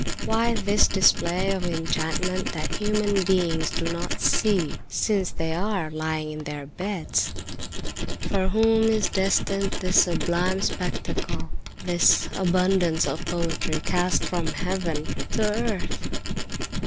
Why this display of enchantments that human beings do not see, since they are lying in their beds? For whom is destined this sublime spectacle, this abundance of poetry cast from heaven to earth?"